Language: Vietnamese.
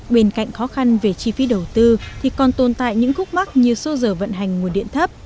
bên cạnh khó khăn về chi phí đầu tư thì còn tồn tại những khúc mắt như số giờ vận hành nguồn điện thấp